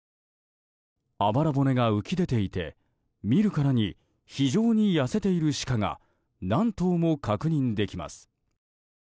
あばら骨が浮き出ていて見るからに非常に痩せているシカが何頭も確認できます。